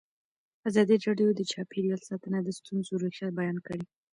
ازادي راډیو د چاپیریال ساتنه د ستونزو رېښه بیان کړې.